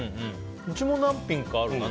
うちも何品かあるな。